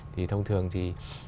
thì thông thường thì